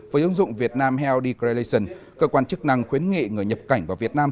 với ứng dụng việt nam health degradation cơ quan chức năng khuyến nghị người nhập cảnh vào việt nam